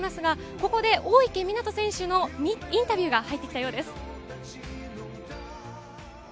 ここで大池水杜選手のインタビューが入ってきたようです。